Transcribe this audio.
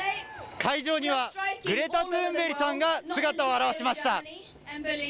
会場にはグレタ・トゥーンベリさんが姿を現しました。